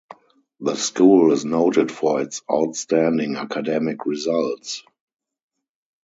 The school is noted for its outstanding academic results.